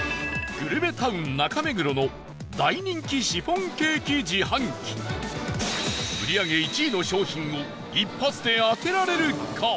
グルメタウン、中目黒の大人気シフォンケーキ自販機売り上げ１位の商品を一発で当てられるか？